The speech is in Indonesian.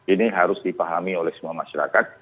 ini harus dipahami oleh semua masyarakat